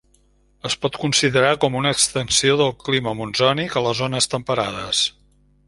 Es pot considerar com a una extensió del clima monsònic a les zones temperades.